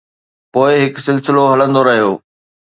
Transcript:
پوءِ هڪ سلسلو هلندو رهيو.